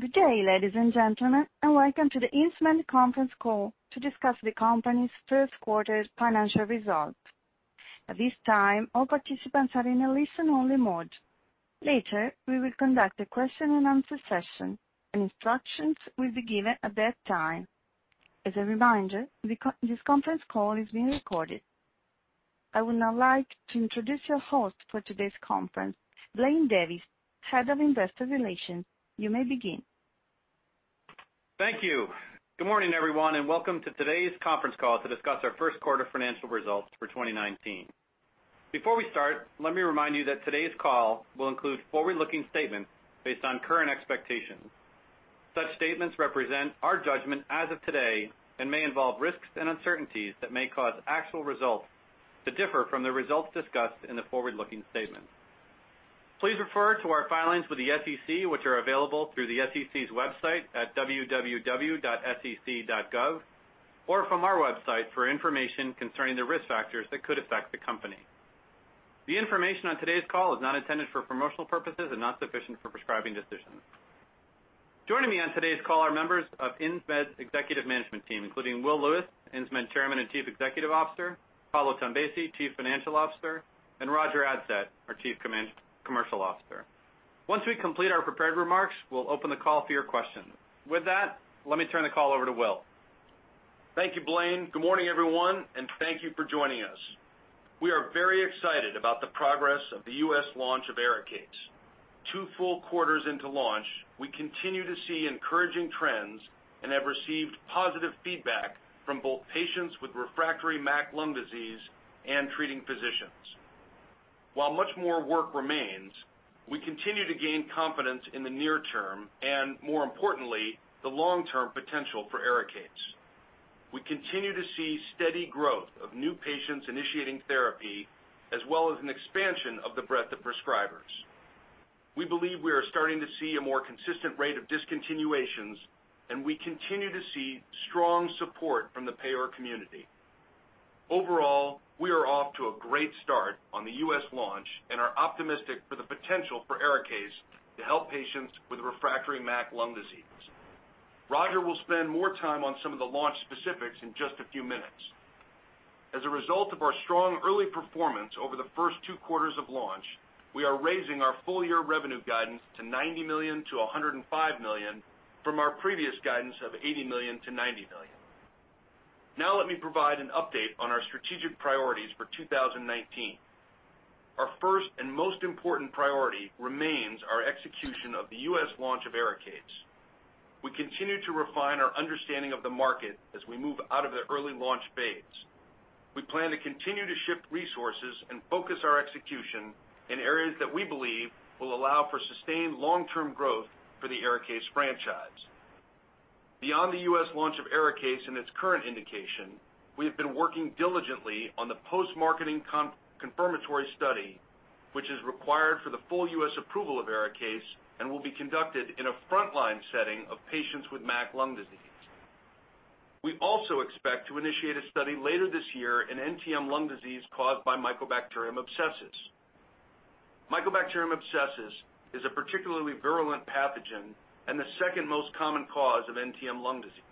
Good day, ladies and gentlemen, and welcome to the Insmed conference call to discuss the company's first quarter financial results. At this time, all participants are in a listen-only mode. Later, we will conduct a question and answer session, and instructions will be given at that time. As a reminder, this conference call is being recorded. I would now like to introduce your host for today's conference, Blaine Davis, head of investor relations. You may begin. Thank you. Good morning, everyone, and welcome to today's conference call to discuss our first quarter financial results for 2019. Before we start, let me remind you that today's call will include forward-looking statements based on current expectations. Such statements represent our judgment as of today and may involve risks and uncertainties that may cause actual results to differ from the results discussed in the forward-looking statement. Please refer to our filings with the SEC, which are available through the SEC's website at www.sec.gov, or from our website for information concerning the risk factors that could affect the company. The information on today's call is not intended for promotional purposes and not sufficient for prescribing decisions. Joining me on today's call are members of Insmed's executive management team, including Will Lewis, Insmed Chairman and Chief Executive Officer, Paolo Tombesi, Chief Financial Officer, and Roger Adsett, our Chief Commercial Officer. Once we complete our prepared remarks, we'll open the call for your questions. With that, let me turn the call over to Will. Thank you, Blaine. Good morning, everyone, and thank you for joining us. We are very excited about the progress of the U.S. launch of ARIKAYCE. Two full quarters into launch, we continue to see encouraging trends and have received positive feedback from both patients with refractory MAC lung disease and treating physicians. While much more work remains, we continue to gain confidence in the near term and, more importantly, the long-term potential for ARIKAYCE. We continue to see steady growth of new patients initiating therapy, as well as an expansion of the breadth of prescribers. We believe we are starting to see a more consistent rate of discontinuations, and we continue to see strong support from the payer community. Overall, we are off to a great start on the U.S. launch and are optimistic for the potential for ARIKAYCE to help patients with refractory MAC lung disease. Roger Adsett will spend more time on some of the launch specifics in just a few minutes. As a result of our strong early performance over the first two quarters of launch, we are raising our full-year revenue guidance to $90 million-$105 million from our previous guidance of $80 million-$90 million. Let me provide an update on our strategic priorities for 2019. Our first and most important priority remains our execution of the U.S. launch of ARIKAYCE. We continue to refine our understanding of the market as we move out of the early launch phase. We plan to continue to shift resources and focus our execution in areas that we believe will allow for sustained long-term growth for the ARIKAYCE franchise. Beyond the U.S. launch of ARIKAYCE and its current indication, we have been working diligently on the post-marketing confirmatory study, which is required for the full U.S. approval of ARIKAYCE and will be conducted in a frontline setting of patients with MAC lung disease. We also expect to initiate a study later this year in NTM lung disease caused by Mycobacterium abscessus. Mycobacterium abscessus is a particularly virulent pathogen and the second most common cause of NTM lung disease.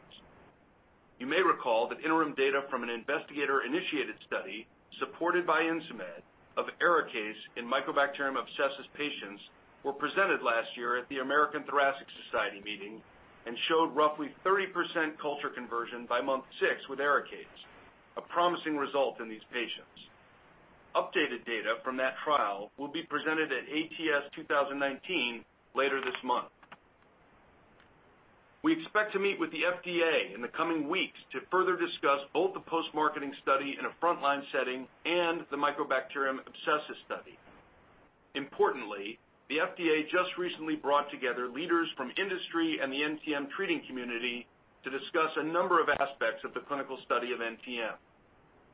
You may recall that interim data from an investigator-initiated study supported by Insmed of ARIKAYCE in Mycobacterium abscessus patients were presented last year at the American Thoracic Society meeting and showed roughly 30% culture conversion by month six with ARIKAYCE, a promising result in these patients. Updated data from that trial will be presented at ATS 2019 later this month. We expect to meet with the FDA in the coming weeks to further discuss both the post-marketing study in a frontline setting and the Mycobacterium abscessus study. Importantly, the FDA just recently brought together leaders from industry and the NTM treating community to discuss a number of aspects of the clinical study of NTM.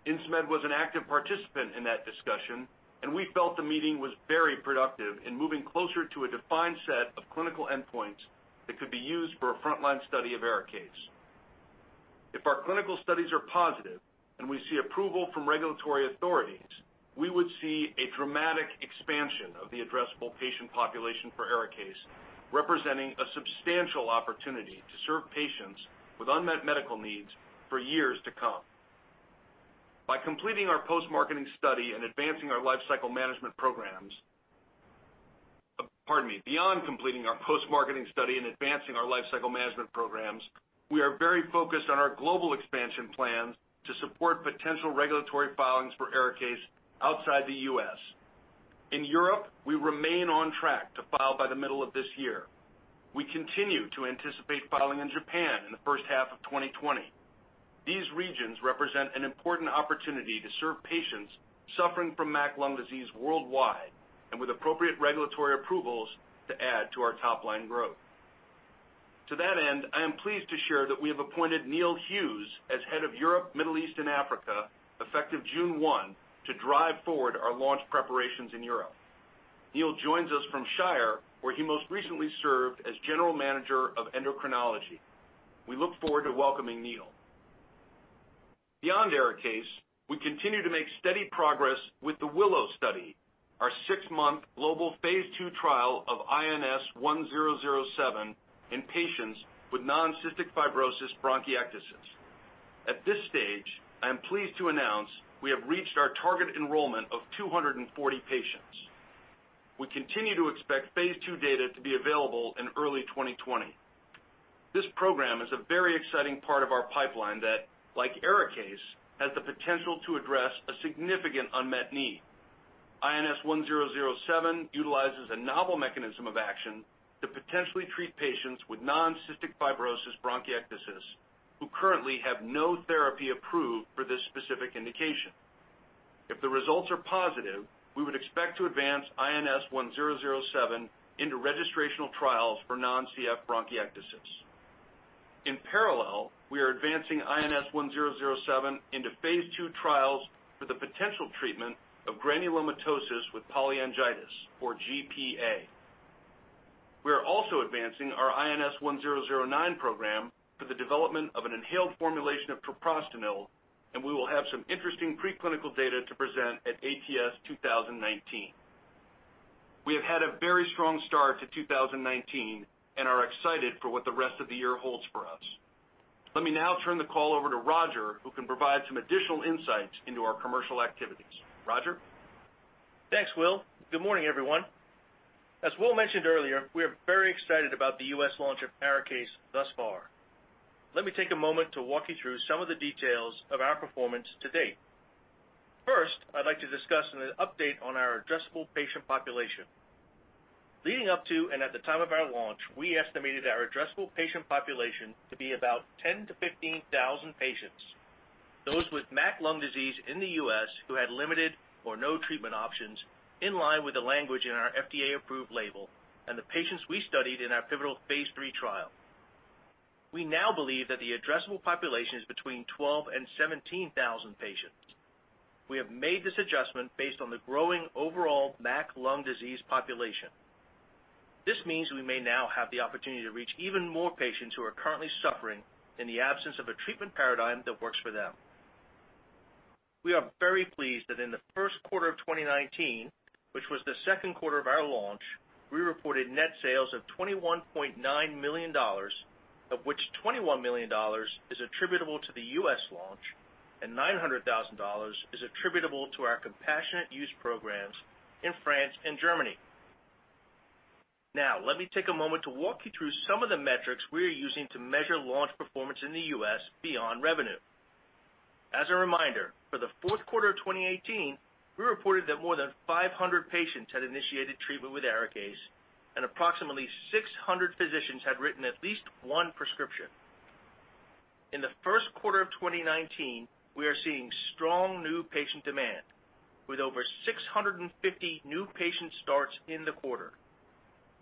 Insmed was an active participant in that discussion, and we felt the meeting was very productive in moving closer to a defined set of clinical endpoints that could be used for a frontline study of ARIKAYCE. If our clinical studies are positive and we see approval from regulatory authorities, we would see a dramatic expansion of the addressable patient population for ARIKAYCE, representing a substantial opportunity to serve patients with unmet medical needs for years to come. Beyond completing our post-marketing study and advancing our lifecycle management programs, we are very focused on our global expansion plans to support potential regulatory filings for ARIKAYCE outside the U.S. In Europe, we remain on track to file by the middle of this year. We continue to anticipate filing in Japan in the first half of 2020. These regions represent an important opportunity to serve patients suffering from MAC lung disease worldwide, and with appropriate regulatory approvals to add to our top-line growth. To that end, I am pleased to share that we have appointed Neil Hughes as head of Europe, Middle East, and Africa effective June 1 to drive forward our launch preparations in Europe. Neil joins us from Shire, where he most recently served as general manager of endocrinology. Beyond ARIKAYCE, we continue to make steady progress with the WILLOW study, our six-month global phase II trial of INS1007 in patients with non-cystic fibrosis bronchiectasis. At this stage, I am pleased to announce we have reached our target enrollment of 240 patients. We continue to expect phase II data to be available in early 2020. This program is a very exciting part of our pipeline that, like ARIKAYCE, has the potential to address a significant unmet need. INS1007 utilizes a novel mechanism of action to potentially treat patients with non-cystic fibrosis bronchiectasis, who currently have no therapy approved for this specific indication. If the results are positive, we would expect to advance INS1007 into registrational trials for non-CF bronchiectasis. In parallel, we are advancing INS1007 into phase II trials for the potential treatment of granulomatosis with polyangiitis, or GPA. We are also advancing our INS1009 program for the development of an inhaled formulation of treprostinil. We will have some interesting preclinical data to present at ATS 2019. We have had a very strong start to 2019 and are excited for what the rest of the year holds for us. Let me now turn the call over to Roger, who can provide some additional insights into our commercial activities. Roger? Thanks, Will. Good morning, everyone. As Will mentioned earlier, we are very excited about the U.S. launch of ARIKAYCE thus far. Let me take a moment to walk you through some of the details of our performance to date. First, I'd like to discuss an update on our addressable patient population. Leading up to and at the time of our launch, we estimated our addressable patient population to be about 10,000 to 15,000 patients. Those with MAC lung disease in the U.S. who had limited or no treatment options, in line with the language in our FDA-approved label and the patients we studied in our pivotal phase III trial. We now believe that the addressable population is between 12,000 and 17,000 patients. We have made this adjustment based on the growing overall MAC lung disease population. This means we may now have the opportunity to reach even more patients who are currently suffering in the absence of a treatment paradigm that works for them. We are very pleased that in the first quarter of 2019, which was the second quarter of our launch, we reported net sales of $21.9 million, of which $21 million is attributable to the U.S. launch and $900,000 is attributable to our compassionate use programs in France and Germany. Now, let me take a moment to walk you through some of the metrics we are using to measure launch performance in the U.S. beyond revenue. As a reminder, for the fourth quarter of 2018, we reported that more than 500 patients had initiated treatment with ARIKAYCE. Approximately 600 physicians had written at least one prescription. In the first quarter of 2019, we are seeing strong new patient demand, with over 650 new patient starts in the quarter.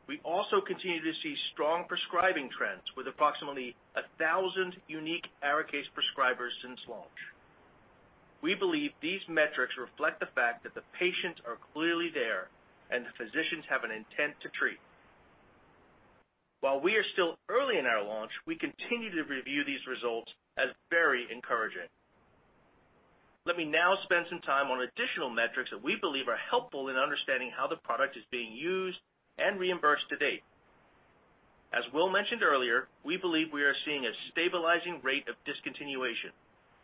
We also continue to see strong prescribing trends with approximately 1,000 unique ARIKAYCE prescribers since launch. We believe these metrics reflect the fact that the patients are clearly there, and the physicians have an intent to treat. While we are still early in our launch, we continue to review these results as very encouraging. Let me now spend some time on additional metrics that we believe are helpful in understanding how the product is being used and reimbursed to date. As Will mentioned earlier, we believe we are seeing a stabilizing rate of discontinuation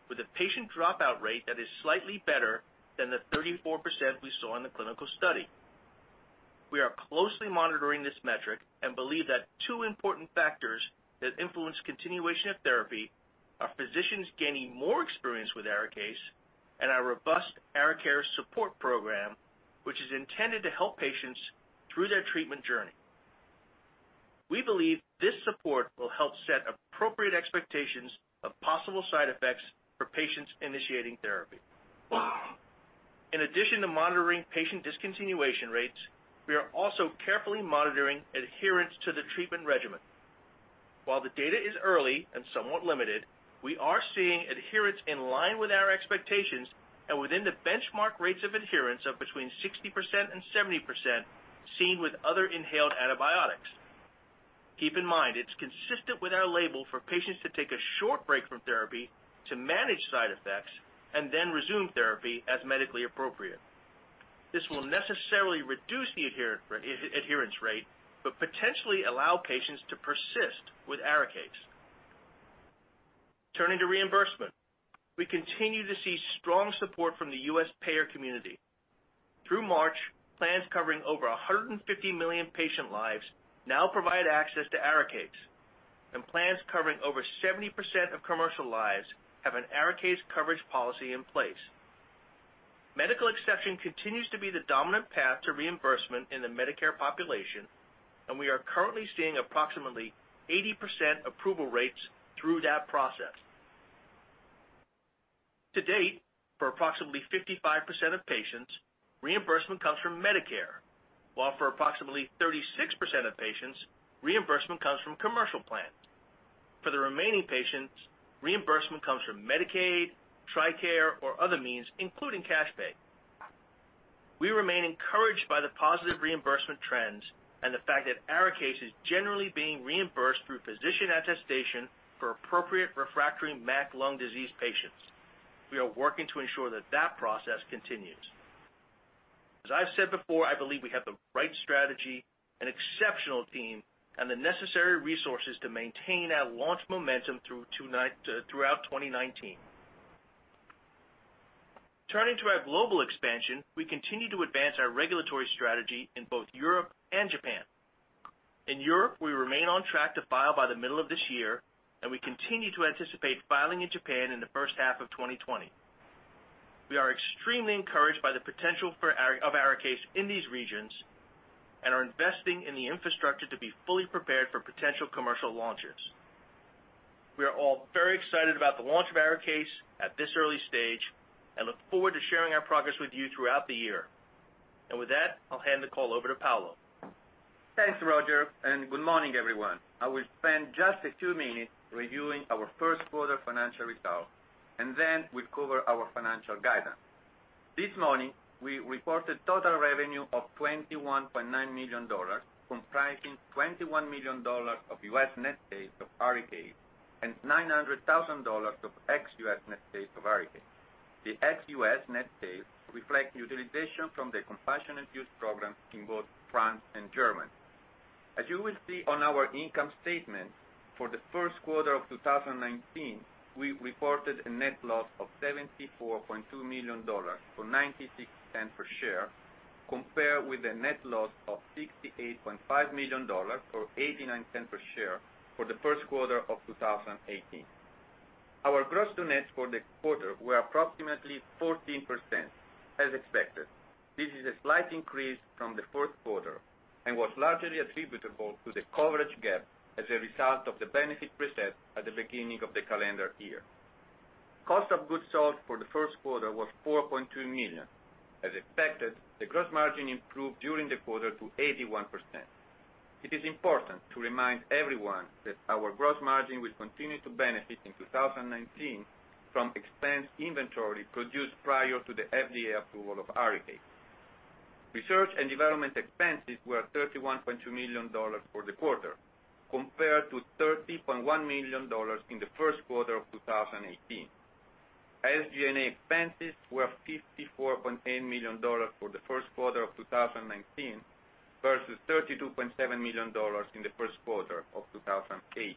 with a patient dropout rate that is slightly better than the 34% we saw in the clinical study. We are closely monitoring this metric and believe that two important factors that influence continuation of therapy are physicians gaining more experience with ARIKAYCE and our robust ARIKARE support program, which is intended to help patients through their treatment journey. We believe this support will help set appropriate expectations of possible side effects for patients initiating therapy. In addition to monitoring patient discontinuation rates, we are also carefully monitoring adherence to the treatment regimen. While the data is early and somewhat limited, we are seeing adherence in line with our expectations and within the benchmark rates of adherence of between 60% and 70% seen with other inhaled antibiotics. Keep in mind, it's consistent with our label for patients to take a short break from therapy to manage side effects and then resume therapy as medically appropriate. This will necessarily reduce the adherence rate, but potentially allow patients to persist with ARIKAYCE. Turning to reimbursement, we continue to see strong support from the U.S. payer community. Through March, plans covering over 150 million patient lives now provide access to ARIKAYCE, and plans covering over 70% of commercial lives have an ARIKAYCE coverage policy in place. Medical exception continues to be the dominant path to reimbursement in the Medicare population, and we are currently seeing approximately 80% approval rates through that process. To date, for approximately 55% of patients, reimbursement comes from Medicare, while for approximately 36% of patients, reimbursement comes from commercial plans. For the remaining patients, reimbursement comes from Medicaid, TRICARE, or other means, including cash pay. We remain encouraged by the positive reimbursement trends and the fact that ARIKAYCE is generally being reimbursed through physician attestation for appropriate refractory MAC lung disease patients. We are working to ensure that that process continues. As I've said before, I believe we have the right strategy, an exceptional team, and the necessary resources to maintain our launch momentum throughout 2019. Turning to our global expansion, we continue to advance our regulatory strategy in both Europe and Japan. In Europe, we remain on track to file by the middle of this year, and we continue to anticipate filing in Japan in the first half of 2020. We are extremely encouraged by the potential of ARIKAYCE in these regions and are investing in the infrastructure to be fully prepared for potential commercial launches. We are all very excited about the launch of ARIKAYCE at this early stage and look forward to sharing our progress with you throughout the year. With that, I'll hand the call over to Paolo. Thanks, Roger. Good morning, everyone. I will spend just a few minutes reviewing our first quarter financial results. Then we'll cover our financial guidance. This morning, we reported total revenue of $21.9 million, comprising $21 million of U.S. net sales of ARIKAYCE and $900,000 of ex-U.S. net sales of ARIKAYCE. The ex-U.S. net sales reflect utilization from the compassionate use program in both France and Germany. As you will see on our income statement for the first quarter of 2019, we reported a net loss of $74.2 million, or $0.96 per share, compared with the net loss of $68.5 million, or $0.89 per share for the first quarter of 2018. Our gross to net for the quarter were approximately 14%, as expected. This is a slight increase from the fourth quarter and was largely attributable to the coverage gap as a result of the benefit reset at the beginning of the calendar year. Cost of goods sold for the first quarter was $4.2 million. As expected, the gross margin improved during the quarter to 81%. It is important to remind everyone that our gross margin will continue to benefit in 2019 from expense inventory produced prior to the FDA approval of ARIKAYCE. Research and development expenses were $31.2 million for the quarter, compared to $30.1 million in the first quarter of 2018. SG&A expenses were $54.8 million for the first quarter of 2019 versus $32.7 million in the first quarter of 2018.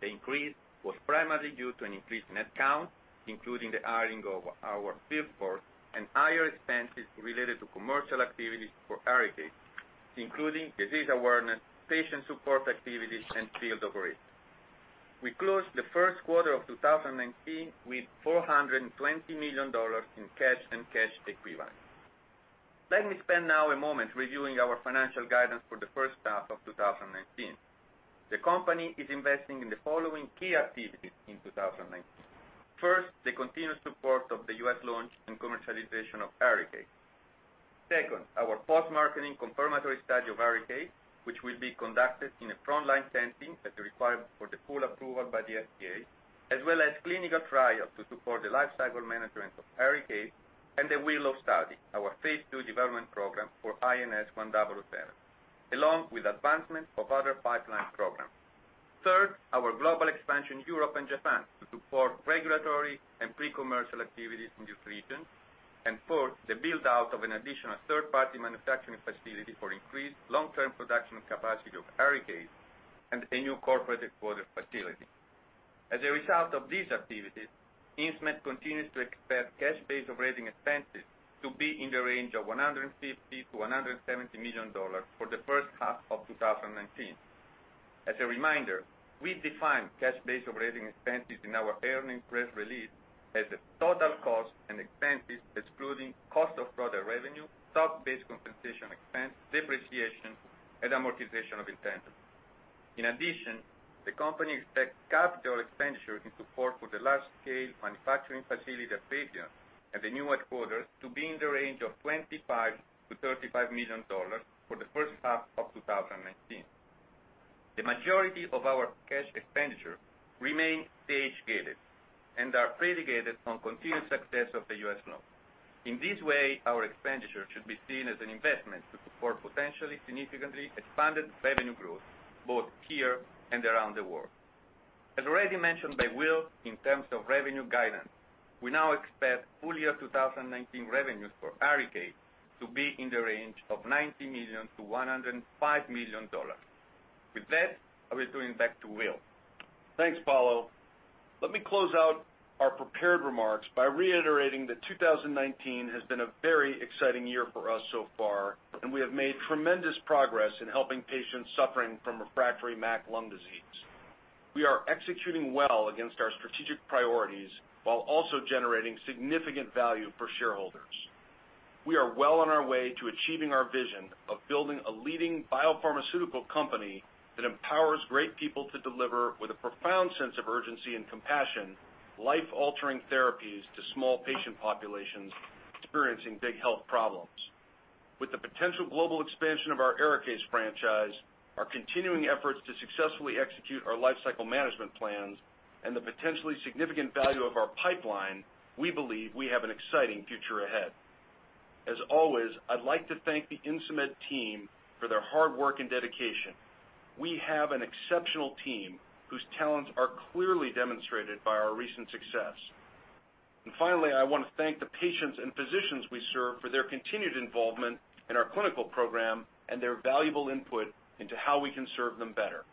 The increase was primarily due to an increase in head count, including the hiring of our field force and higher expenses related to commercial activities for ARIKAYCE, including disease awareness, patient support activities, and field operations. We closed the first quarter of 2019 with $420 million in cash and cash equivalents. Let me spend now a moment reviewing our financial guidance for the first half of 2019. The company is investing in the following key activities in 2019. First, the continued support of the U.S. launch and commercialization of ARIKAYCE. Second, our post-marketing confirmatory study of ARIKAYCE, which will be conducted in a frontline setting as required for the full approval by the FDA, as well as clinical trials to support the lifecycle management of ARIKAYCE and the WILLOW study, our phase II development program for INS100, along with advancement of other pipeline programs. Third, our global expansion Europe and Japan to support regulatory and pre-commercial activities in these regions. Fourth, the build-out of an additional third-party manufacturing facility for increased long-term production capacity of ARIKAYCE and a new corporate headquarters facility. As a result of these activities, Insmed continues to expect cash-based operating expenses to be in the range of $150 million-$170 million for the first half of 2019. As a reminder, we define cash-based operating expenses in our earnings press release as the total cost and expenses, excluding cost of product revenue, stock-based compensation expense, depreciation, and amortization of intangibles. In addition, the company expects capital expenditures in support for the large-scale manufacturing facility at Bayville and the new headquarters to be in the range of $25 million-$35 million for the first half of 2019. The majority of our cash expenditures remain stage-gated and are predicated on continued success of the U.S. launch. In this way, our expenditures should be seen as an investment to support potentially significantly expanded revenue growth, both here and around the world. As already mentioned by Will, in terms of revenue guidance, we now expect full year 2019 revenues for ARIKAYCE to be in the range of $90 million-$105 million. With that, I will turn it back to Will. Thanks, Paolo. Let me close out our prepared remarks by reiterating that 2019 has been a very exciting year for us so far. We have made tremendous progress in helping patients suffering from refractory MAC lung disease. We are executing well against our strategic priorities while also generating significant value for shareholders. We are well on our way to achieving our vision of building a leading biopharmaceutical company that empowers great people to deliver with a profound sense of urgency and compassion, life-altering therapies to small patient populations experiencing big health problems. With the potential global expansion of our ARIKAYCE franchise, our continuing efforts to successfully execute our lifecycle management plans, and the potentially significant value of our pipeline, we believe we have an exciting future ahead. As always, I'd like to thank the Insmed team for their hard work and dedication. We have an exceptional team whose talents are clearly demonstrated by our recent success. Finally, I want to thank the patients and physicians we serve for their continued involvement in our clinical program and their valuable input into how we can serve them better.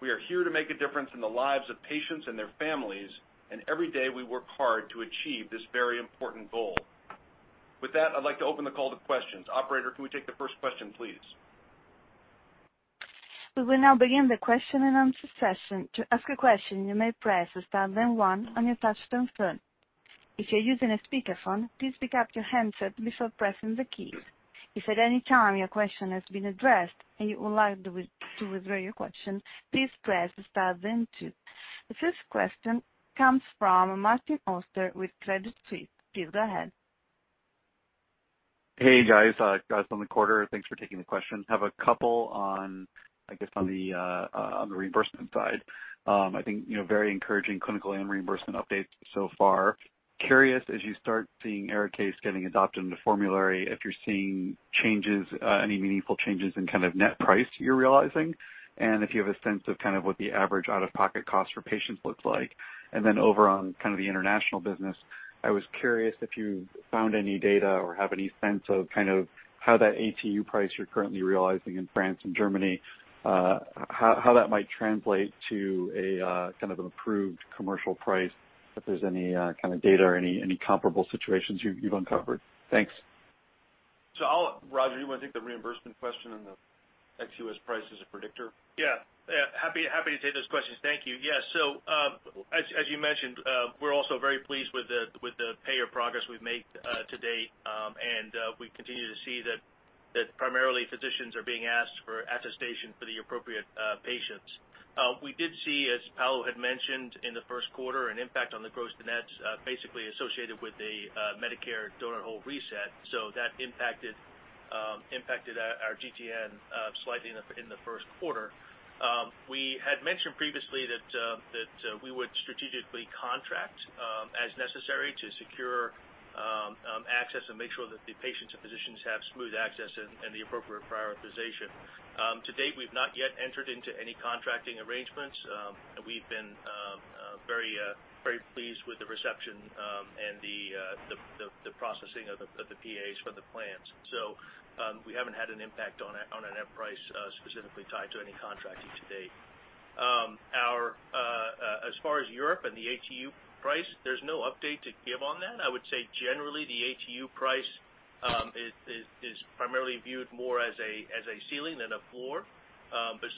We are here to make a difference in the lives of patients and their families. Every day we work hard to achieve this very important goal. With that, I'd like to open the call to questions. Operator, can we take the first question, please? We will now begin the question and answer session. To ask a question, you may press star then one on your touchtone phone. If you're using a speakerphone, please pick up your handset before pressing the key. If at any time your question has been addressed and you would like to withdraw your question, please press star then two. The first question comes from Martin Auster with Credit Suisse. Please go ahead. Hey, guys. On the quarter, thanks for taking the question. I guess on the reimbursement side. I think very encouraging clinical and reimbursement updates so far. Curious as you start seeing ARIKAYCE getting adopted into formulary, if you're seeing any meaningful changes in net price you're realizing, and if you have a sense of what the average out-of-pocket cost for patients looks like. Over on the international business, I was curious if you found any data or have any sense of how that ATU price you're currently realizing in France and Germany, how that might translate to an approved commercial price, if there's any kind of data or any comparable situations you've uncovered. Thanks. Roger, you want to take the reimbursement question and the ex-U.S. price as a predictor? Yeah. Happy to take those questions. Thank you. Yes, as you mentioned, we're also very pleased with the payer progress we've made to date. We continue to see that primarily physicians are being asked for attestation for the appropriate patients. We did see, as Paolo had mentioned, in the first quarter, an impact on the gross to nets basically associated with a Medicare donut hole reset. That impacted our GTN slightly in the first quarter. We had mentioned previously that we would strategically contract as necessary to secure access and make sure that the patients and physicians have smooth access and the appropriate prioritization. To date, we've not yet entered into any contracting arrangements. We've been very pleased with the reception and the processing of the PAs for the plans. We haven't had an impact on a net price specifically tied to any contracting to date. As far as Europe and the ATU price, there's no update to give on that. I would say generally the ATU price is primarily viewed more as a ceiling than a floor.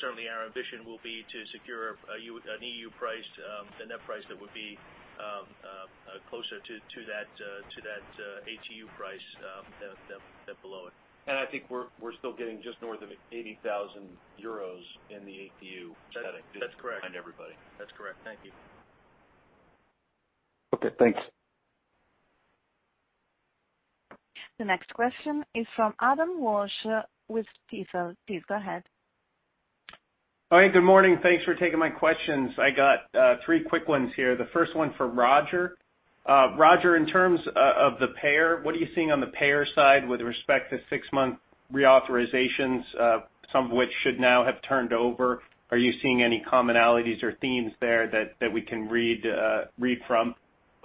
Certainly our ambition will be to secure an EU price, the net price that would be closer to that ATU price than below it. I think we're still getting just north of €80,000 in the ATU setting. That's correct. behind everybody. That's correct. Thank you. Okay, thanks. The next question is from Adam Walsh with Stifel. Please go ahead. Hi, good morning. Thanks for taking my questions. I got three quick ones here. The first one for Roger. Roger, in terms of the payer, what are you seeing on the payer side with respect to six-month reauthorizations, some of which should now have turned over. Are you seeing any commonalities or themes there that we can read from?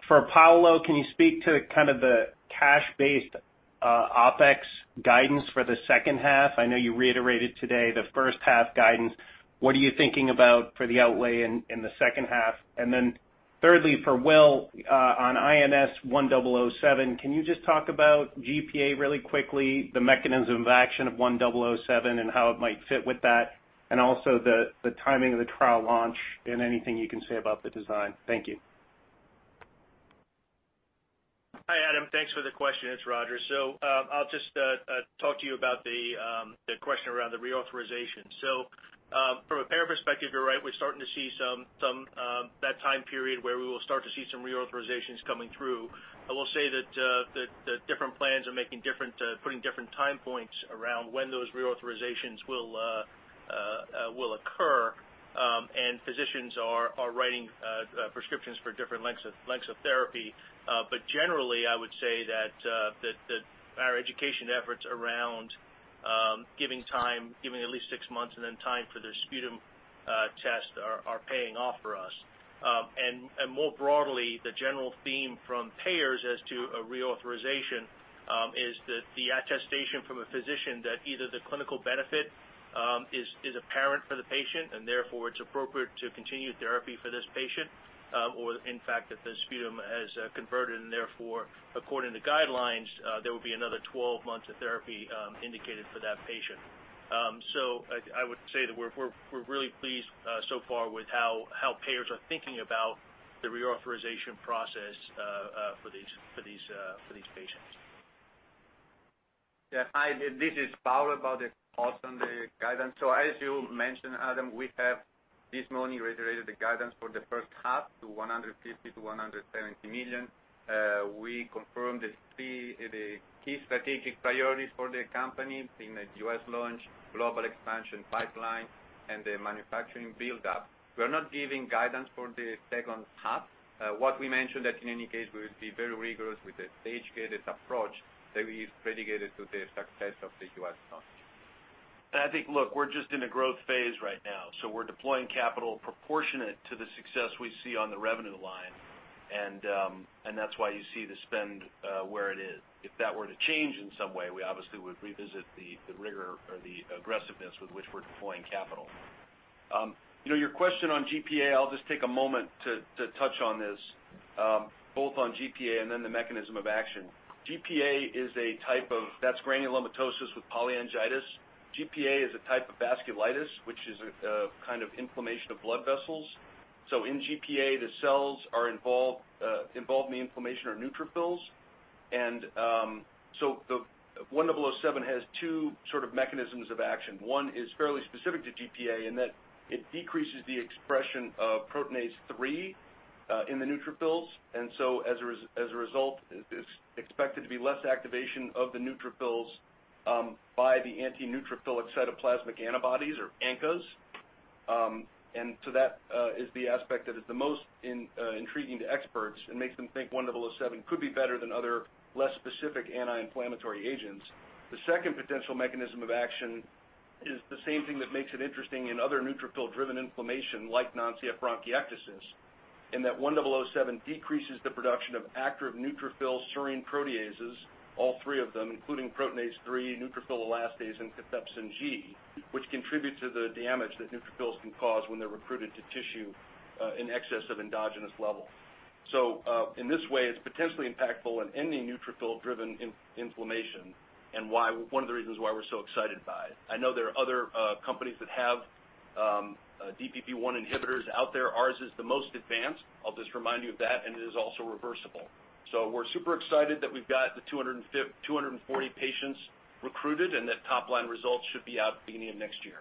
For Paolo, can you speak to the cash-based OpEx guidance for the second half? I know you reiterated today the first-half guidance. What are you thinking about for the outlay in the second half? Then thirdly, for Will, on INS1007, can you just talk about GPA really quickly, the mechanism of action of 1007 and how it might fit with that? Also the timing of the trial launch and anything you can say about the design. Thank you. Hi, Adam. Thanks for the question. It's Roger. I'll just talk to you about the question around the reauthorization. From a payer perspective, you're right. We're starting to see that time period where we will start to see some reauthorizations coming through. I will say that the different plans are putting different time points around when those reauthorizations will occur, and physicians are writing prescriptions for different lengths of therapy. Generally, I would say that our education efforts around giving at least six months and then time for the sputum test are paying off for us. More broadly, the general theme from payers as to a reauthorization, is that the attestation from a physician that either the clinical benefit is apparent for the patient and therefore it's appropriate to continue therapy for this patient, or in fact, that the sputum has converted and therefore according to guidelines, there will be another 12 months of therapy indicated for that patient. I would say that we're really pleased so far with how payers are thinking about the reauthorization process for these patients. Yeah. Hi, this is Paolo about the cost and the guidance. As you mentioned, Adam, we have this morning, reiterated the guidance for the first half to $150 million-$170 million. We confirmed the key strategic priorities for the company, being the U.S. launch, global expansion pipeline, and the manufacturing buildup. We are not giving guidance for the second half. We mentioned that in any case, we will be very rigorous with the stage-gated approach that is predicated to the success of the U.S. launch. I think, look, we're just in a growth phase right now, we're deploying capital proportionate to the success we see on the revenue line. That's why you see the spend where it is. If that were to change in some way, we obviously would revisit the rigor or the aggressiveness with which we're deploying capital. Your question on GPA, I'll just take a moment to touch on this, both on GPA and then the mechanism of action. GPA, that's granulomatosis with polyangiitis. GPA is a type of vasculitis, which is a kind of inflammation of blood vessels. In GPA, the cells involved in the inflammation are neutrophils. The INS1007 has two sort of mechanisms of action. One is fairly specific to GPA in that it decreases the expression of proteinase 3 in the neutrophils. As a result, it's expected to be less activation of the neutrophils by the anti-neutrophil cytoplasmic antibodies or ANCA. That is the aspect that is the most intriguing to experts and makes them think 1007 could be better than other less specific anti-inflammatory agents. The second potential mechanism of action is the same thing that makes it interesting in other neutrophil-driven inflammation like non-CF bronchiectasis, in that 1007 decreases the production of active neutrophil serine proteases, all three of them, including proteinase 3, neutrophil elastase, and cathepsin G, which contribute to the damage that neutrophils can cause when they're recruited to tissue in excess of endogenous level. In this way, it's potentially impactful in any neutrophil-driven inflammation and one of the reasons why we're so excited by it. I know there are other companies that have DPP-1 inhibitors out there. Ours is the most advanced, I'll just remind you of that, and it is also reversible. We're super excited that we've got the 240 patients recruited, and that top-line results should be out beginning of next year.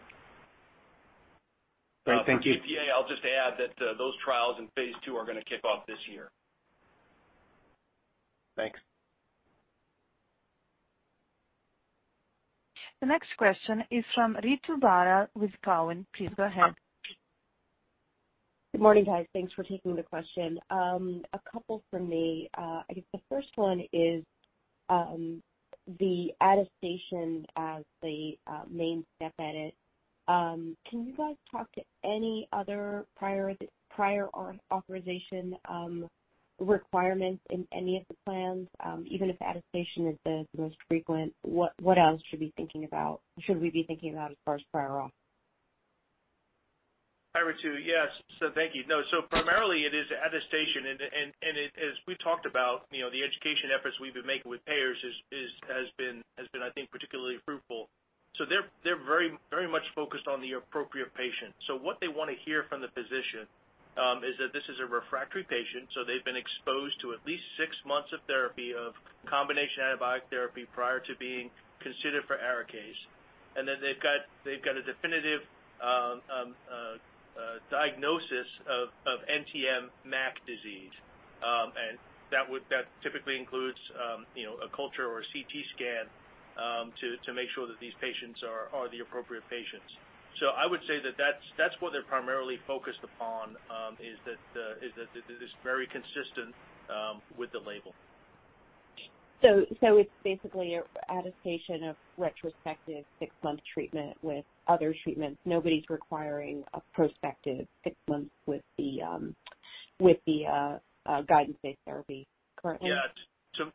Great. Thank you. For GPA, I'll just add that those trials in phase II are going to kick off this year. Thanks. The next question is from Ritu Baral with Cowen. Please go ahead. Good morning, guys. Thanks for taking the question. A couple from me. I guess the first one is the attestation as the main step edit. Can you guys talk to any other prior authorization requirements in any of the plans? Even if attestation is the most frequent, what else should we be thinking about as far as prior auth? Hi, Ritu. Yes. Thank you. No, primarily it is attestation and as we've talked about, the education efforts we've been making with payers has been I think particularly fruitful. They're very much focused on the appropriate patient. What they want to hear from the physician, is that this is a refractory patient, so they've been exposed to at least 6 months of therapy, of combination antibiotic therapy prior to being considered for ARIKAYCE. They've got a definitive diagnosis of NTM MAC disease. That typically includes a culture or a CT scan, to make sure that these patients are the appropriate patients. I would say that's what they're primarily focused upon, is that it is very consistent with the label. It's basically attestation of retrospective 6-month treatment with other treatments. Nobody's requiring a prospective 6 months with the guidance-based therapy currently? Yeah.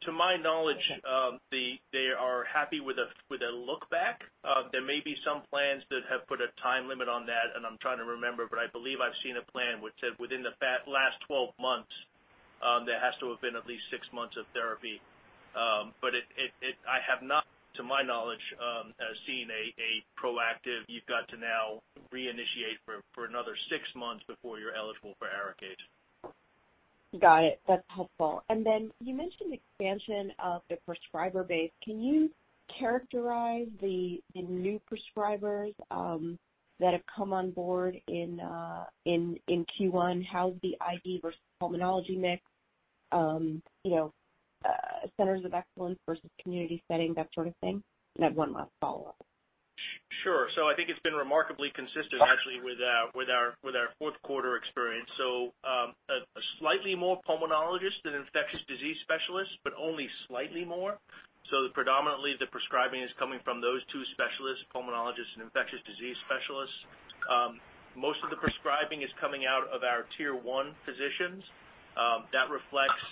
To my knowledge. Okay They are happy with a look back. There may be some plans that have put a time limit on that, and I'm trying to remember, I believe I've seen a plan which said within the last 12 months, there has to have been at least 6 months of therapy. I have not, to my knowledge, seen a proactive, you've got to now reinitiate for another 6 months before you're eligible for ARIKAYCE. Got it. That's helpful. You mentioned expansion of the prescriber base. Can you characterize the new prescribers that have come on board in Q1? How's the ID versus pulmonology mix? Centers of Excellence versus community setting, that sort of thing. I have one last follow-up. Sure. I think it's been remarkably consistent actually with our fourth quarter experience. Slightly more pulmonologists than infectious disease specialists, but only slightly more. Predominantly the prescribing is coming from those two specialists, pulmonologists and infectious disease specialists. Most of the prescribing is coming out of our tier 1 physicians. That reflects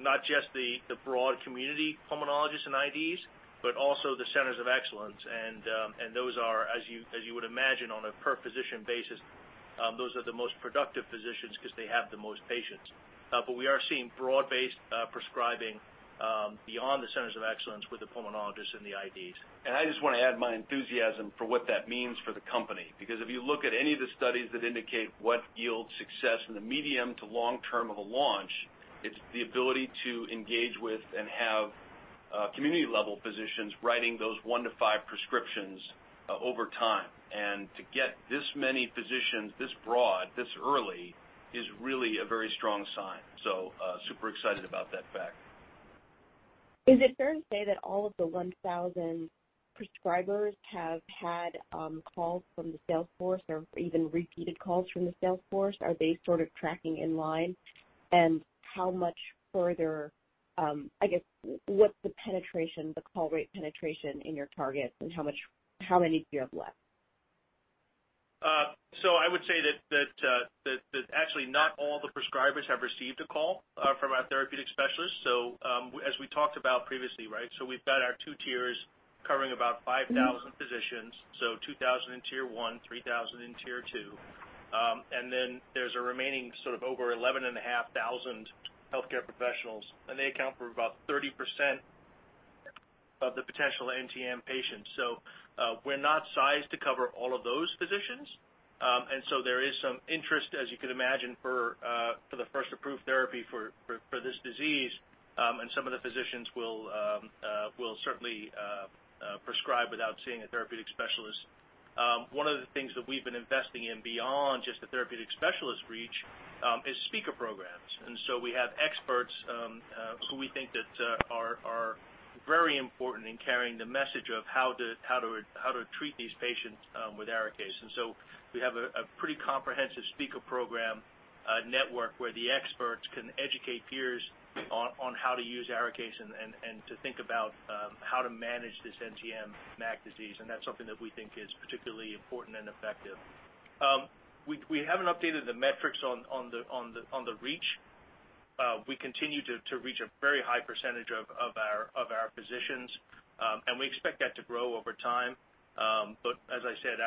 not just the broad community pulmonologists and IDs, but also the Centers of Excellence. Those are, as you would imagine, on a per physician basis, those are the most productive physicians because they have the most patients. We are seeing broad-based prescribing beyond the Centers of Excellence with the pulmonologists and the IDs. I just want to add my enthusiasm for what that means for the company. Because if you look at any of the studies that indicate what yields success in the medium to long term of a launch, it's the ability to engage with and have community-level physicians writing those one to five prescriptions over time. To get this many physicians this broad, this early, is really a very strong sign. Super excited about that fact. Is it fair to say that all of the 1,000 prescribers have had calls from the sales force or even repeated calls from the sales force? Are they sort of tracking in line? How much further, I guess, what's the penetration, the call rate penetration in your target, and how many do you have left? I would say that actually not all the prescribers have received a call from our therapeutic specialist. As we talked about previously, right? We've got our 2 tiers covering about 5,000 physicians, 2,000 in tier 1, 3,000 in tier 2. There's a remaining sort of over 11,500 healthcare professionals, and they account for about 30% of the potential NTM patients. We're not sized to cover all of those physicians. There is some interest, as you could imagine, for the first approved therapy for this disease, and some of the physicians will certainly prescribe without seeing a therapeutic specialist. One of the things that we've been investing in beyond just the therapeutic specialist reach, is speaker programs. We have experts who we think that are very important in carrying the message of how to treat these patients with ARIKAYCE. We have a pretty comprehensive speaker program network where the experts can educate peers on how to use ARIKAYCE and to think about how to manage this NTM MAC disease. That's something that we think is particularly important and effective. We haven't updated the metrics on the reach. We continue to reach a very high percentage of our physicians. We expect that to grow over time. But as I said,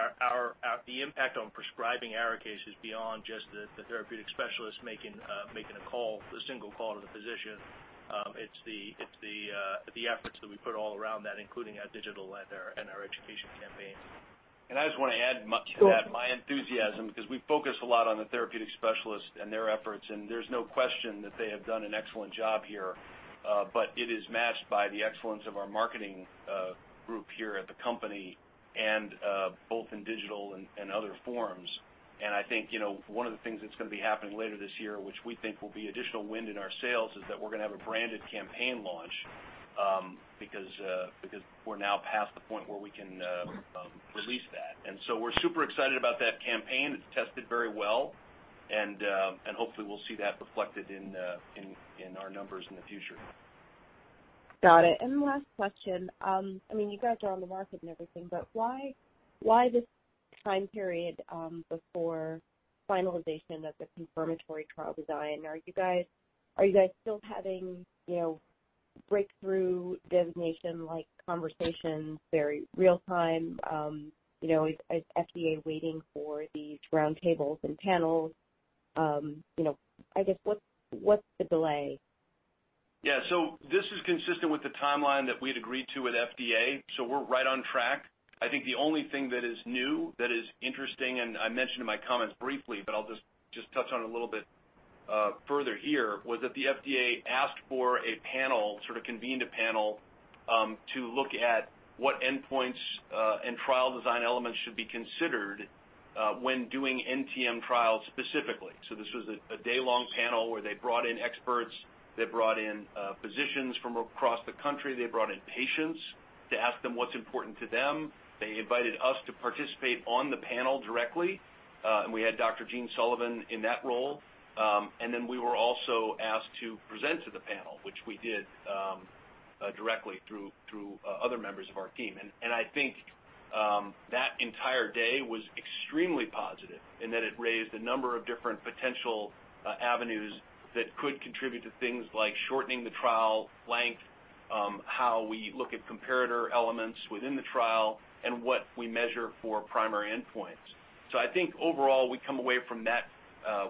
the impact on prescribing ARIKAYCE is beyond just the therapeutic specialist making a call, a single call to the physician. It's the efforts that we put all around that, including our digital and our education campaigns. I just want to add much to that, my enthusiasm, because we focus a lot on the therapeutic specialists and their efforts, and there's no question that they have done an excellent job here. It is matched by the excellence of our marketing group here at the company and both in digital and other forums. I think one of the things that's going to be happening later this year, which we think will be additional wind in our sails, is that we're going to have a branded campaign launch, because we're now past the point where we can release that. We're super excited about that campaign. It's tested very well, and hopefully we'll see that reflected in our numbers in the future. Got it. Last question. You guys are on the market and everything, but why this time period before finalization of the confirmatory trial design? Are you guys still having breakthrough designation like conversations very real time? Is FDA waiting for these round tables and panels? I guess, what's the delay? Yeah. This is consistent with the timeline that we'd agreed to with FDA, so we're right on track. I think the only thing that is new that is interesting, I mentioned in my comments briefly, but I'll just touch on it a little bit further here, was that the FDA asked for a panel, sort of convened a panel, to look at what endpoints and trial design elements should be considered when doing NTM trials specifically. This was a day-long panel where they brought in experts. They brought in physicians from across the country. They brought in patients to ask them what's important to them. They invited us to participate on the panel directly, and we had Dr. Eugene Sullivan in that role. Then we were also asked to present to the panel, which we did directly through other members of our team. I think that entire day was extremely positive in that it raised a number of different potential avenues that could contribute to things like shortening the trial length, how we look at comparator elements within the trial, and what we measure for primary endpoints. I think overall, we come away from that,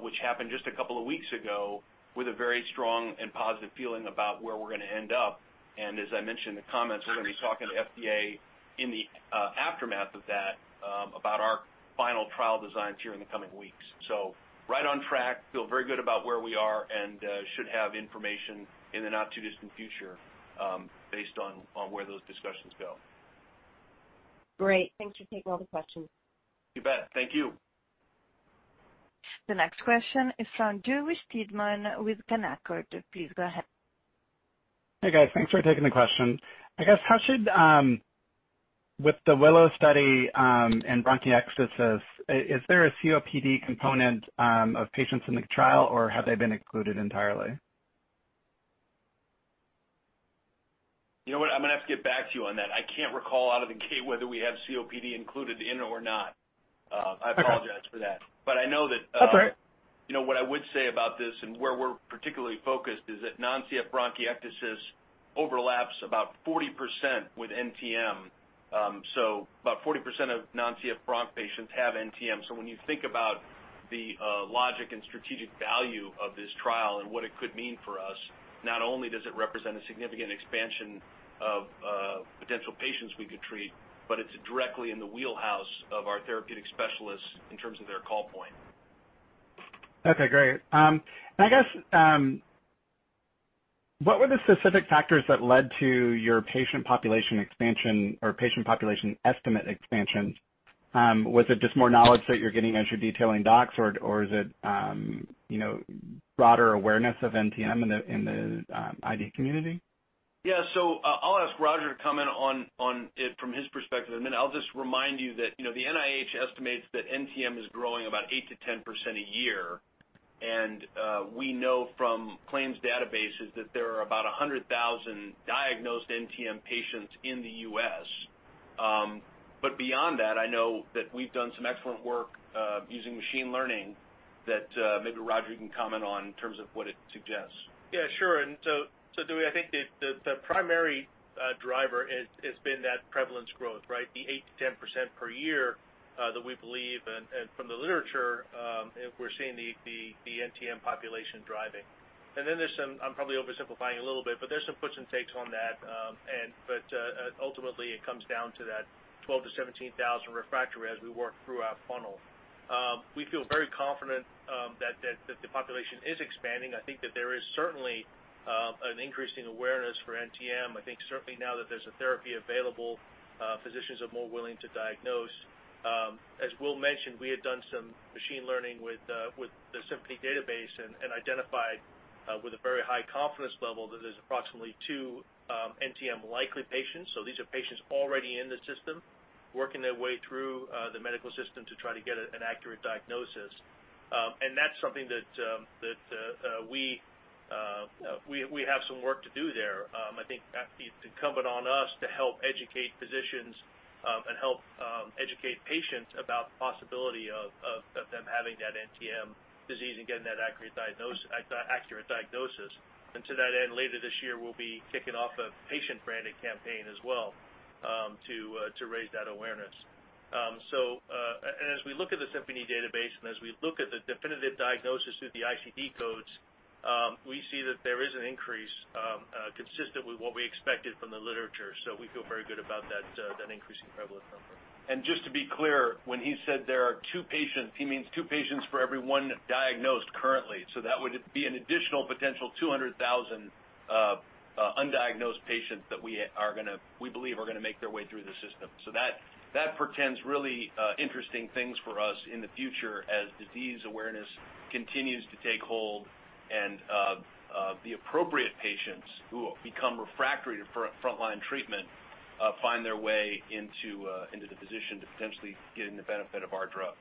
which happened just a couple of weeks ago, with a very strong and positive feeling about where we're going to end up. As I mentioned in the comments, we're going to be talking to FDA in the aftermath of that about our final trial designs here in the coming weeks. Right on track, feel very good about where we are, and should have information in the not-too-distant future, based on where those discussions go. Great. Thanks for taking all the questions. You bet. Thank you. The next question is from [Julia Stedman] with Canaccord. Please go ahead. Hey, guys. Thanks for taking the question. I guess, with the WILLOW study, in bronchiectasis, is there a COPD component of patients in the trial, or have they been included entirely? You know what? I'm going to have to get back to you on that. I can't recall out of the gate whether we have COPD included in or not. Okay. I apologize for that. I know. That's all right. What I would say about this and where we're particularly focused is that non-CF bronchiectasis overlaps about 40% with NTM. About 40% of non-CF bronch patients have NTM. When you think about the logic and strategic value of this trial and what it could mean for us, not only does it represent a significant expansion of potential patients we could treat, but it's directly in the wheelhouse of our therapeutic specialists in terms of their call point. Okay, great. I guess, what were the specific factors that led to your patient population expansion or patient population estimate expansion? Was it just more knowledge that you're getting as you're detailing docs or is it broader awareness of NTM in the ID community? I'll ask Roger to comment on it from his perspective. I'll just remind you that the NIH estimates that NTM is growing about 8% to 10% a year. We know from claims databases that there are about 100,000 diagnosed NTM patients in the U.S. Beyond that, I know that we've done some excellent work using machine learning that maybe Roger can comment on in terms of what it suggests. Sure. [Dewey], I think the primary driver has been that prevalence growth, right? The 8% to 10% per year, that we believe and from the literature, if we're seeing the NTM population driving. There's some, I'm probably oversimplifying a little bit, but there's some puts and takes on that. Ultimately, it comes down to that 12,000-17,000 refractory as we work through our funnel. We feel very confident that the population is expanding. I think that there is certainly an increase in awareness for NTM. I think certainly now that there's a therapy available, physicians are more willing to diagnose. As Will mentioned, we had done some machine learning with the Symphony database and identified with a very high confidence level that there's approximately two NTM likely patients. These are patients already in the system working their way through the medical system to try to get an accurate diagnosis. That's something that we have some work to do there. I think that'd be incumbent on us to help educate physicians, and help educate patients about the possibility of them having that NTM disease and getting that accurate diagnosis. To that end, later this year, we'll be kicking off a patient branding campaign as well, to raise that awareness. As we look at the Symphony database and as we look at the definitive diagnosis through the ICD codes, we see that there is an increase, consistent with what we expected from the literature. We feel very good about that increasing prevalence number. Just to be clear, when he said there are two patients, he means two patients for every one diagnosed currently. That would be an additional potential 200,000 undiagnosed patients that we believe are gonna make their way through the system. That portends really interesting things for us in the future as disease awareness continues to take hold and the appropriate patients who become refractory to frontline treatment, find their way into the physician to potentially get the benefit of our drug.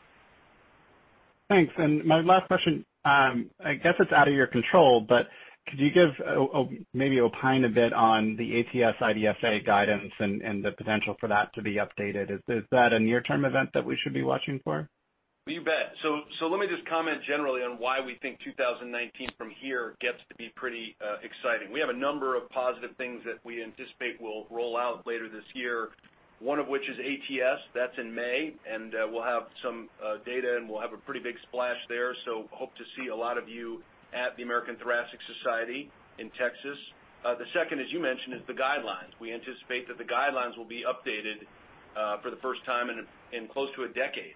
My last question, I guess it's out of your control, but could you give maybe opine a bit on the ATS/IDSA guidance and the potential for that to be updated? Is that a near-term event that we should be watching for? You bet. Let me just comment generally on why we think 2019 from here gets to be pretty exciting. We have a number of positive things that we anticipate will roll out later this year. One of which is ATS, that's in May, and we'll have some data, and we'll have a pretty big splash there. Hope to see a lot of you at the American Thoracic Society in Texas. The second, as you mentioned, is the guidelines. We anticipate that the guidelines will be updated for the first time in close to a decade.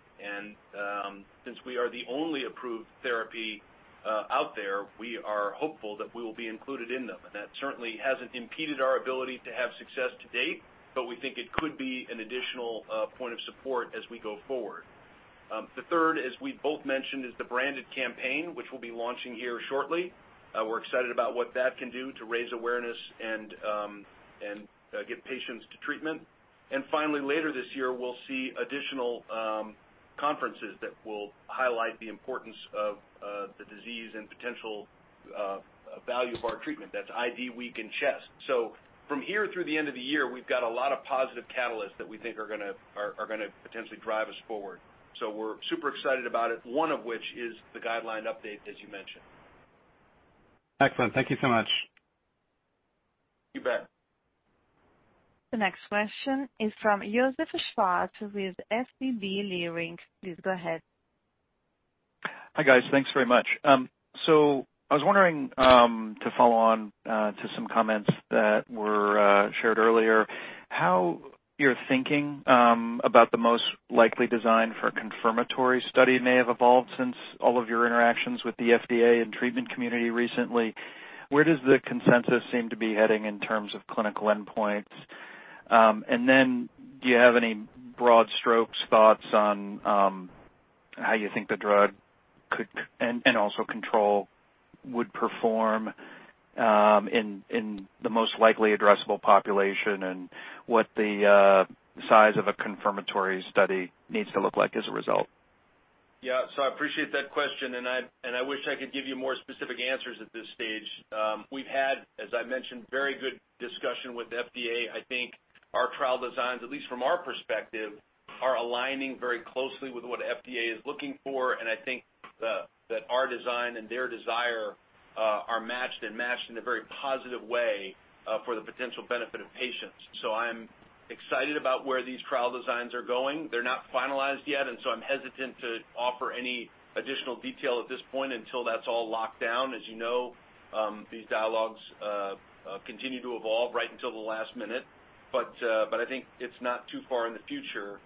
Since we are the only approved therapy out there, we are hopeful that we will be included in them. That certainly hasn't impeded our ability to have success to date, but we think it could be an additional point of support as we go forward. The third, as we both mentioned, is the branded campaign, which we'll be launching here shortly. We're excited about what that can do to raise awareness and get patients to treatment. Finally, later this year, we'll see additional conferences that will highlight the importance of the disease and potential value of our treatment. That's IDWeek and CHEST. From here through the end of the year, we've got a lot of positive catalysts that we think are gonna potentially drive us forward. We're super excited about it. One of which is the guideline update, as you mentioned. Excellent. Thank you so much. You bet. The next question is from Joseph Schwartz with SVB Leerink. Please go ahead. Hi, guys. Thanks very much. I was wondering, to follow on to some comments that were shared earlier, how your thinking about the most likely design for a confirmatory study may have evolved since all of your interactions with the FDA and treatment community recently. Where does the consensus seem to be heading in terms of clinical endpoints? Do you have any broad strokes thoughts on how you think the drug could and also control would perform in the most likely addressable population and what the size of a confirmatory study needs to look like as a result? Yeah. I appreciate that question, I wish I could give you more specific answers at this stage. We've had, as I mentioned, very good discussion with the FDA. I think our trial designs, at least from our perspective, are aligning very closely with what FDA is looking for, I think that our design and their desire are matched and mashed in a very positive way for the potential benefit of patients. I'm excited about where these trial designs are going. They're not finalized yet, I'm hesitant to offer any additional detail at this point until that's all locked down. As you know, these dialogues continue to evolve right until the last minute. I think it's not too far in the future.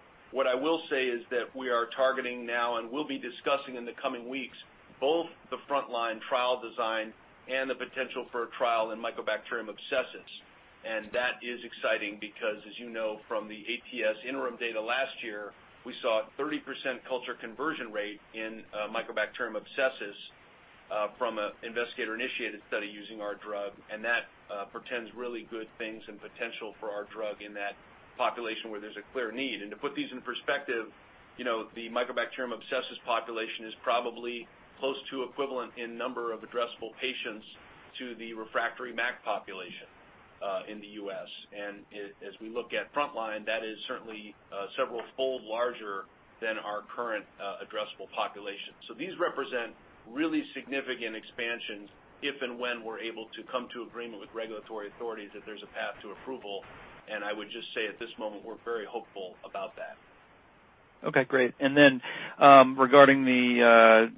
I will say is that we are targeting now and will be discussing in the coming weeks, both the frontline trial design and the potential for a trial in Mycobacterium abscessus. That is exciting because, as you know from the ATS interim data last year, we saw a 30% culture conversion rate in Mycobacterium abscessus from an investigator-initiated study using our drug, and that portends really good things and potential for our drug in that population where there's a clear need. To put these in perspective, the Mycobacterium abscessus population is probably close to equivalent in number of addressable patients to the refractory MAC population in the U.S. As we look at frontline, that is certainly several-fold larger than our current addressable population. These represent really significant expansions if and when we're able to come to agreement with regulatory authorities that there's a path to approval. I would just say at this moment, we're very hopeful about that. Okay, great. Then, regarding the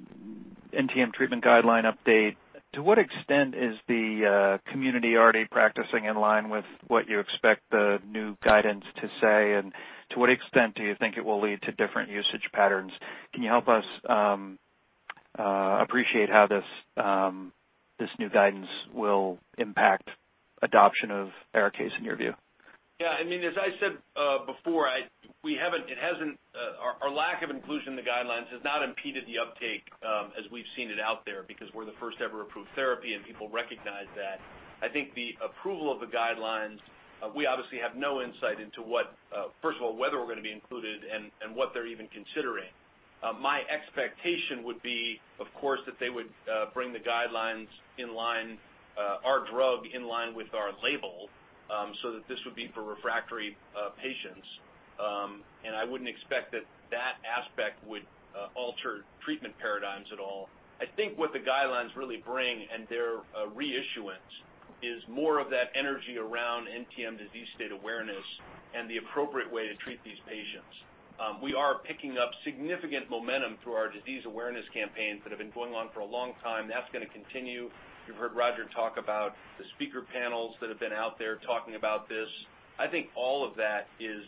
NTM treatment guideline update, to what extent is the community already practicing in line with what you expect the new guidance to say? To what extent do you think it will lead to different usage patterns? Can you help us appreciate how this new guidance will impact adoption of ARIKAYCE, in your view? Yeah. As I said before, our lack of inclusion in the guidelines has not impeded the uptake as we've seen it out there because we're the first ever approved therapy, and people recognize that. I think the approval of the guidelines, we obviously have no insight into, first of all, whether we're going to be included and what they're even considering. My expectation would be, of course, that they would bring our drug in line with our label, so that this would be for refractory patients. I wouldn't expect that that aspect would alter treatment paradigms at all. I think what the guidelines really bring, and their reissuance, is more of that energy around NTM disease state awareness and the appropriate way to treat these patients. We are picking up significant momentum through our disease awareness campaigns that have been going on for a long time. That's going to continue. You've heard Roger talk about the speaker panels that have been out there talking about this. I think all of that is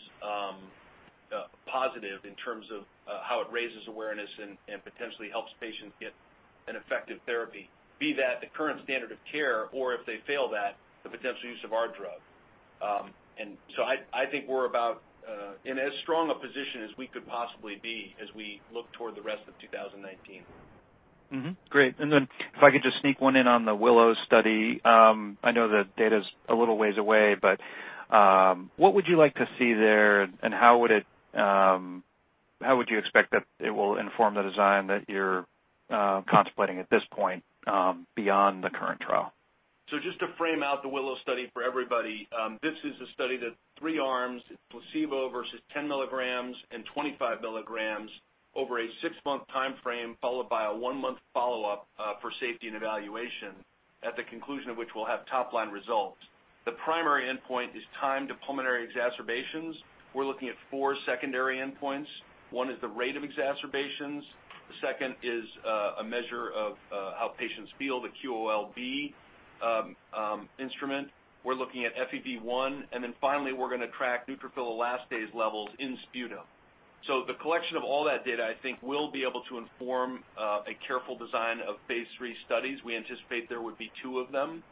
positive in terms of how it raises awareness and potentially helps patients get an effective therapy, be that the current standard of care or, if they fail that, the potential use of our drug. I think we're about in as strong a position as we could possibly be as we look toward the rest of 2019. Mm-hmm. Great. If I could just sneak one in on the WILLOW study. I know the data's a little ways away, but what would you like to see there, and how would you expect that it will inform the design that you're contemplating at this point beyond the current trial? Just to frame out the WILLOW study for everybody, this is a study that three arms, placebo versus 10 milligrams and 25 milligrams over a six-month timeframe, followed by a one-month follow-up for safety and evaluation at the conclusion of which we'll have top-line results. The primary endpoint is time to pulmonary exacerbations. We're looking at four secondary endpoints. One is the rate of exacerbations. The second is a measure of how patients feel, the QOL-B instrument. We're looking at FEV1, and then finally, we're going to track neutrophil elastase levels in sputum. The collection of all that data, I think, will be able to inform a careful design of phase III studies. We anticipate there would be two of them.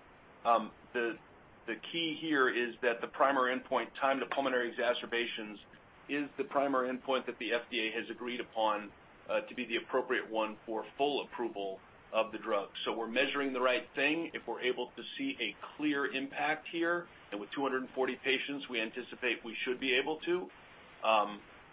The key here is that the primary endpoint, time to pulmonary exacerbations, is the primary endpoint that the FDA has agreed upon to be the appropriate one for full approval of the drug. We're measuring the right thing. If we're able to see a clear impact here, and with 240 patients, we anticipate we should be able to,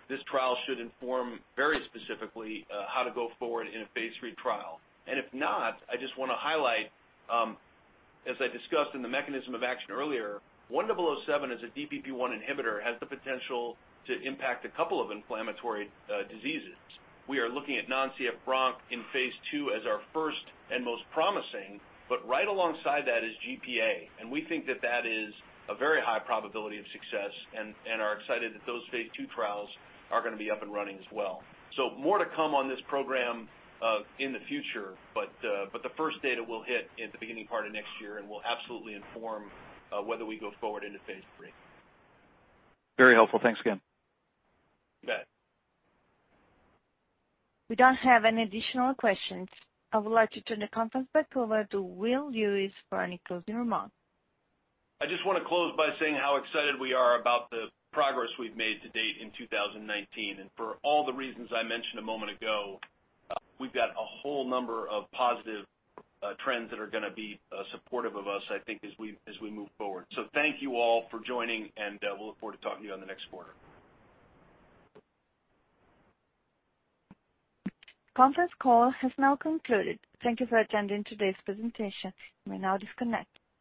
this trial should inform very specifically how to go forward in a phase III trial. If not, I just want to highlight, as I discussed in the mechanism of action earlier, 1007 as a DPP-1 inhibitor has the potential to impact a couple of inflammatory diseases. We are looking at non-CF bronch in phase II as our first and most promising, but right alongside that is GPA. We think that that is a very high probability of success and are excited that those phase II trials are going to be up and running as well. More to come on this program in the future, but the first data will hit in the beginning part of next year and will absolutely inform whether we go forward into phase III. Very helpful. Thanks again. You bet. We don't have any additional questions. I would like to turn the conference back over to Will Lewis for any closing remarks. I just want to close by saying how excited we are about the progress we've made to date in 2019. For all the reasons I mentioned a moment ago, we've got a whole number of positive trends that are going to be supportive of us, I think, as we move forward. Thank you all for joining, and we'll look forward to talking to you on the next quarter. Conference call has now concluded. Thank you for attending today's presentation. You may now disconnect.